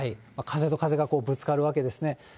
風と風がぶつかるわけですね。